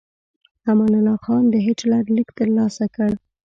امان الله خان د هیټلر لیک ترلاسه کړ.